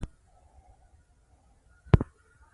پټلۍ اوس له عمومي سړک څخه بېلېدل.